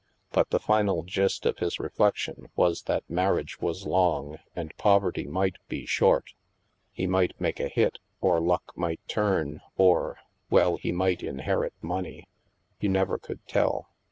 But the final gist of his reflection was that mar riage was long, and poverty might be short. He might make a hit, or luck might turn, or — well, he might inherit money. You never could tell.